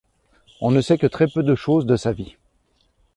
On ne sait que très peu de choses de sa vie.